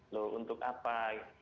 loh untuk apa